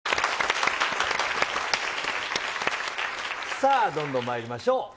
さあ、どんどんまいりましょう。